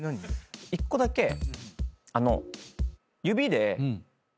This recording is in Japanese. １個だけあの指で。